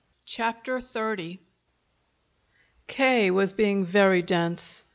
CHAPTER XXX K. was being very dense.